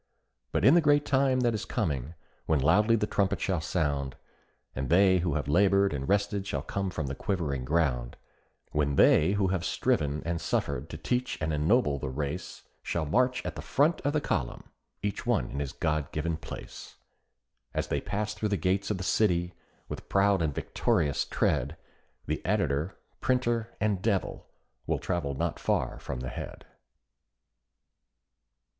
But in the great time that is coming, when loudly the trumpet shall sound, And they who have labored and rested shall come from the quivering ground; When they who have striven and suffered to teach and ennoble the race, Shall march at the front of the column, each one in his God given place, As they pass through the gates of The City with proud and victorious tread, The editor, printer, and "devil," will travel not far from the head.